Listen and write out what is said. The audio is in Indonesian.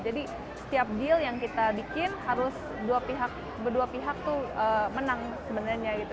jadi setiap deal yang kita bikin harus berdua pihak tuh menang sebenarnya gitu